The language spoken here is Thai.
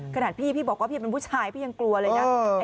ขนาดพี่พี่บอกว่าพี่เป็นผู้ชายพี่ยังกลัวเลยนะ